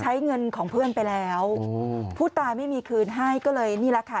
ใช้เงินของเพื่อนไปแล้วผู้ตายไม่มีคืนให้ก็เลยนี่แหละค่ะ